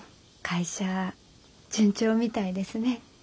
会社順調みたいですね。